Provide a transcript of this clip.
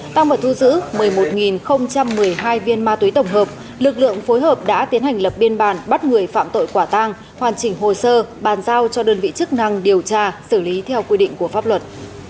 tăng vào thu giữ một mươi một một mươi hai viên ma túy tổng hợp lực lượng phối hợp đã tiến hành lập biên bản bắt người phạm tội quả tang hoàn chỉnh hồ sơ bàn giao cho đơn vị chức năng điều tra xử lý theo quy định của pháp luật